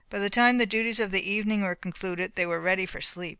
By the time the duties of the evening were concluded, they were ready for sleep.